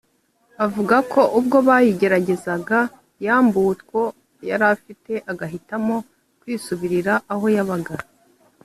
avuga ko ubwo bayigeragezaga yambuwe utwo yarafite agahitamo kwisubirira aho yabaga